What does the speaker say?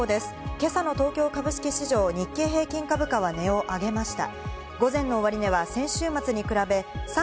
今朝の東京株式市場、日経平均株価は値を上げました。